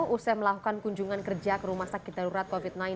usai melakukan kunjungan kerja ke rumah sakit darurat covid sembilan belas